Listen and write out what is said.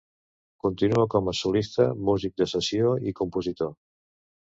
Continua com a solista, músic de sessió i compositor.